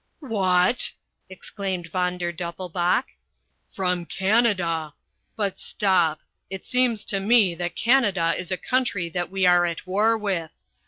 "What!" exclaimed Von der Doppelbauch. "From Canada! But stop! It seems to me that Canada is a country that we are at war with.